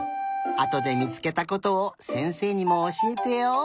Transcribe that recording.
あとでみつけたことをせんせいにもおしえてよ。